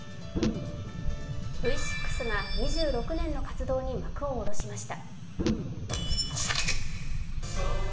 Ｖ６が２６年の活動に幕を下ろしました。